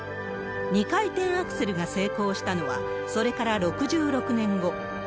２回転アクセルが成功したのは、それから６６年後。